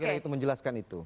saya kira itu menjelaskan itu